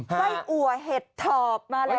ไส้อัวเห็ดถอบมาแล้ว